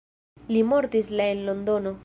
Li mortis la en Londono.